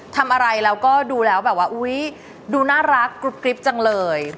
ทำอะไรแล้วก็ดูแล้วแบบว่าอุ๊ยดูน่ารักกรุ๊ดกริ๊บจังเลย